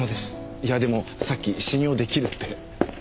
いやでもさっき信用出来るって。